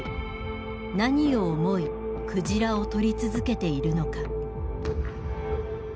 何を思い鯨を獲り続けているのか。